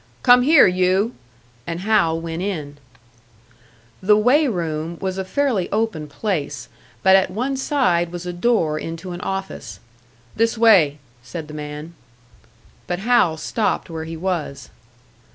"Come here, you!" And Hal went in. The "weigh room" was a fairly open place; but at one side was a door into an office. "This way," said the man. But Hal stopped where he was.